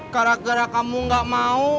gara gara kamu gak mau